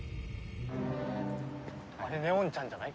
あれ祢音ちゃんじゃない？